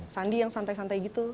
sandi yang santai santai gitu